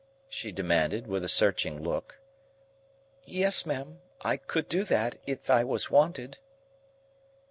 she demanded, with a searching look. "Yes, ma'am; I could do that, if I was wanted."